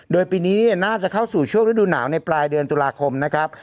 โดยปีนี้น่าจะเข้าสู่ช่วงฤดูหนาวในปลายเดือนตุลาคมนะครับ